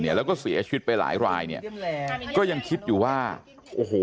แล้วก็เสียชีวิตไปหลายรายเนี่ยก็ยังคิดอยู่ว่าโอ้โห